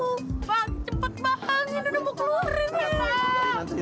ini udah mau keluar ini